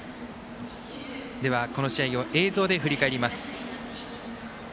では、この試合を映像で振り返ります。